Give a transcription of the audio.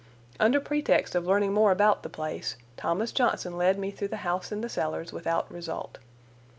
Under pretext of learning more about the place, Thomas Johnson led me through the house and the cellars, without result.